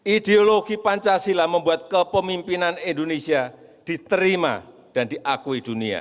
ideologi pancasila membuat kepemimpinan indonesia diterima dan diakui dunia